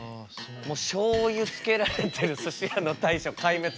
しょうゆつけられてるすし屋の大将壊滅です。